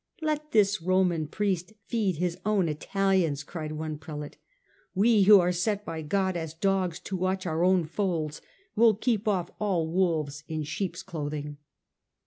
" Let this Roman Priest feed his own Italians," cried one Prelate. " We who are set by God as dogs to watch our own folds will keep of! all wolves in sheep's clothing."